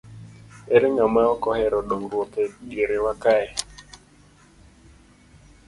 Ere ng'ama ok ohero dongruok e dierwa kae?